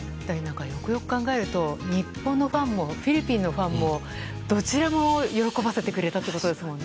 よくよく考えると日本のファンもフィリピンのファンもどちらも喜ばせてくれたってことですもんね。